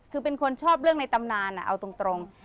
คือเป็นคนชอบเรื่องในตำนานเอาตรง